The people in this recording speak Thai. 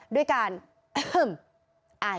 ด้วยการเออใย